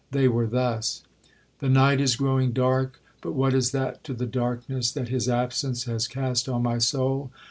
They were thus: 'The night is growing dark—but what is that to the darkness that his absence has cast on my soul?